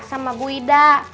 sama bu ida